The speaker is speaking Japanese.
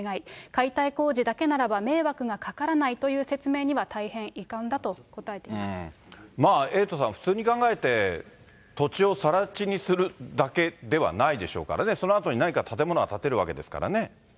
解体工事だけならば迷惑がかからないという説明には大変遺憾だとまあ、エイトさん、普通に考えて、土地をさら地にするだけではないでしょうからね、そのあとに何か建物は建てるわけですからね。